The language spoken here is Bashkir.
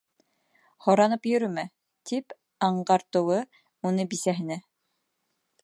«Һоранып йөрөмә», тип аңғартыуы ине бисәһенә.